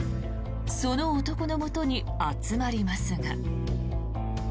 その男のもとに集まりますが。